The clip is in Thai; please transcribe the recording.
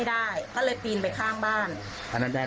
ได้ธรรมบาสต์ตัดสม